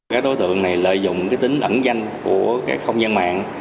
các đối tượng này lợi dụng tính ẩn danh của các không gian mạng